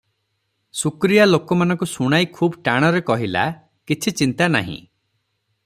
ଶୁକ୍ରିଆ ଲୋକମାନଙ୍କୁ ଶୁଣାଇ ଖୁବ୍ ଟାଣରେ କହିଲା, "କିଛି ଚିନ୍ତା ନାହିଁ ।